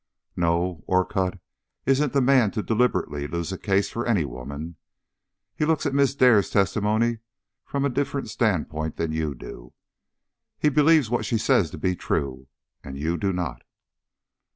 "No. Orcutt isn't the man to deliberately lose a case for any woman. He looks at Miss Dare's testimony from a different standpoint than you do. He believes what she says to be true, and you do not."